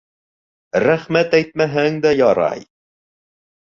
— Рәхмәт әйтмәһәң дә ярай.